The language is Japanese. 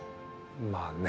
まあね。